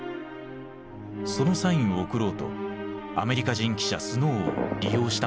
そのサインを送ろうとアメリカ人記者スノーを利用したのだった。